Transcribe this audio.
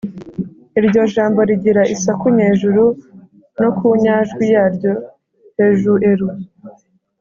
iryo jambo rigira isaku nyejuru no ku nyajwi yaryo hejueru.